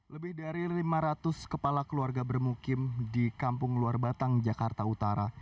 lebih dari lima ratus kepala keluarga bermukim di kampung luar batang jakarta utara